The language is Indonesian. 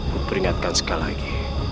kuperingatkan sekali lagi